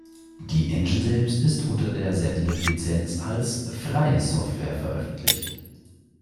Die Engine selbst ist unter der zlib-Lizenz als freie Software veröffentlicht.